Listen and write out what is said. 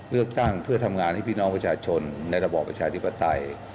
เลือกตั้งเพื่อทำงานให้พี่น้องประชาชนในระบอบประชาธิปไตย